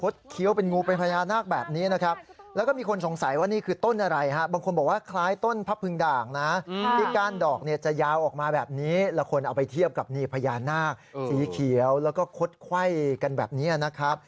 นี้เราควรเอาไปเทียบกับพญานาคสีเขียวแล้วก็คดไข้กันแบบนี้นะครับ